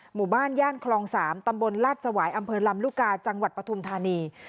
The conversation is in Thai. หมู่บ้านย่านคลอง๓ตำบลลาดสวายอำเภอลำลูกกาจังหวัดปฐุมธานี